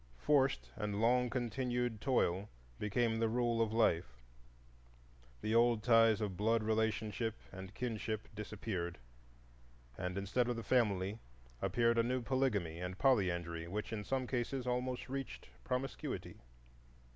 Forced and long continued toil became the rule of life, the old ties of blood relationship and kinship disappeared, and instead of the family appeared a new polygamy and polyandry, which, in some cases, almost reached promiscuity.